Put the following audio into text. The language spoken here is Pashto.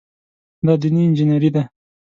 دا دیني انجینیري ده.